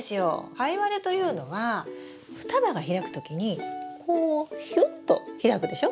カイワレというのは双葉が開く時にこうヒュッと開くでしょ？